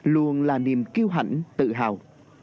luôn là niềm kêu hãnh tự hào